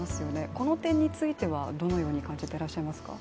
この点についてはどのように感じてらっしゃいますか？